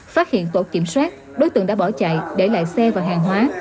phát hiện tổ kiểm soát đối tượng đã bỏ chạy để lại xe và hàng hóa